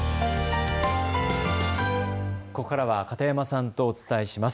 ここからは片山さんとお伝えします。